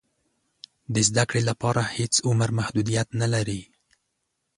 د زده کړې لپاره هېڅ عمر محدودیت نه لري.